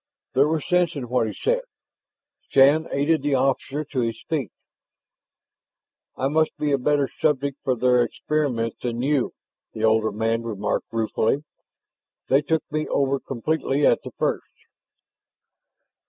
There was sense in what he said. Shann aided the officer to his feet. "I must be a better subject for their experiments than you," the older man remarked ruefully. "They took me over completely at the first."